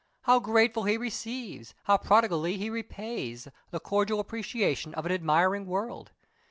How gratefully he receives, how prodigally he repays, the cordial appreciation of an admiring world!